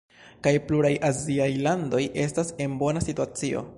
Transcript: kaj pluraj aziaj landoj estas en bona situacio.